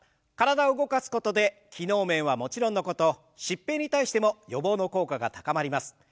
体を動かすことで機能面はもちろんのこと疾病に対しても予防の効果が高まります。